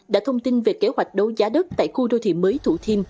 đã thông tin về kế hoạch đấu giá đất tại khu đô thị mới thủ thiêm